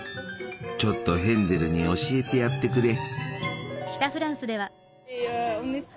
ちょっとヘンゼルに教えてやってくれ。